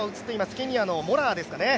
ケニアのモラア選手ですかね。